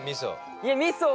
みそ。